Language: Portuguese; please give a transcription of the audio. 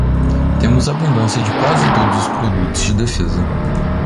Temos abundância de quase todos os produtos de defesa.